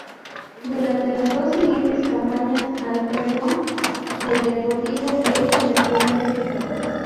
Durante las dos siguientes campañas alternó el Deportivo B con el primer equipo.